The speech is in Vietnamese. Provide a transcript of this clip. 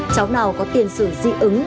cháu nào có tiền sự di ứng